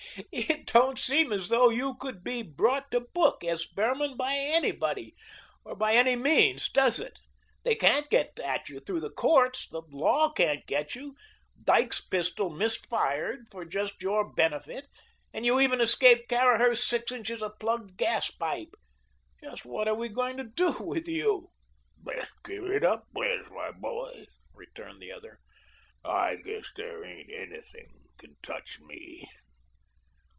"It don't seem as though you could be brought to book, S. Behrman, by anybody, or by any means, does it? They can't get at you through the courts, the law can't get you, Dyke's pistol missed fire for just your benefit, and you even escaped Caraher's six inches of plugged gas pipe. Just what are we going to do with you?" "Best give it up, Pres, my boy," returned the other. "I guess there ain't anything can touch me.